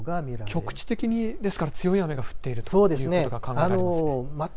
局地的にですから強い雨が降っているということが考えられますね。